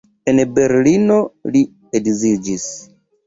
En Berlino li edziĝis.